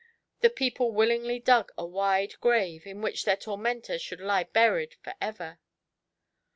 The people willingly dug a wide grave in which their tormentor should lie buried for ever.